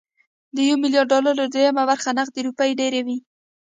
د يو ميليارد ډالرو درېيمه برخه نغدې روپۍ ډېرې وي